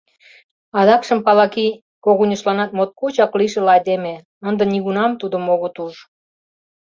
Адакшым Палаги — когыньыштланат моткочак лишыл айдеме, ынде нигунам тудым огыт уж...